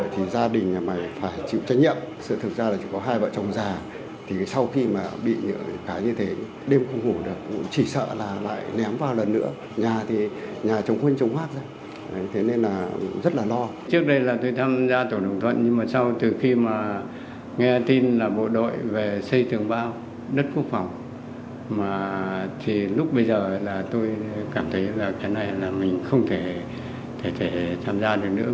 thì lúc bây giờ là tôi cảm thấy là cái này là mình không thể tham gia được nữa